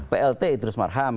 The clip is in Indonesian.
plt idrus marham